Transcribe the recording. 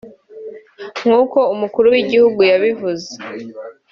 nk’uko Umukuru w’igihugu yabivuze